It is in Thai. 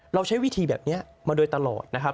เราใช้วิธีแบบนี้มาโดยตลอดนะครับ